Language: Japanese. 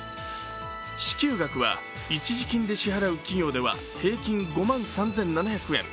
支給額は一時金で支払う企業では平均５万３７００円。